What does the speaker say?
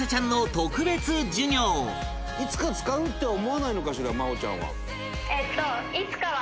いつか使うって思わないのかしら麻帆ちゃんは。